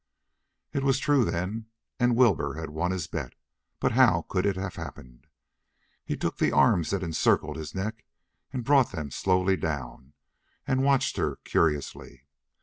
It was true, then, and Wilbur had won his bet. But how could it have happened? He took the arms that encircled his neck and brought them slowly down, and watched her curiously.